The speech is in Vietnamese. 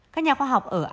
các nhà khoa học ở anh